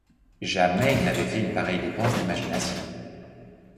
Jamais il n'avait fait une pareille dépense d'imagination.